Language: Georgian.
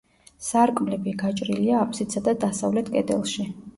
სარკმლები გაჭრილია აფსიდსა და დასავლეთ კედელში.